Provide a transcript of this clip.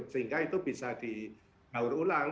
sehingga itu bisa dikaur ulang